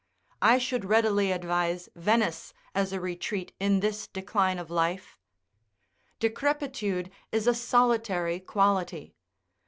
I should readily advise Venice as a retreat in this decline of life. Decrepitude is a solitary quality.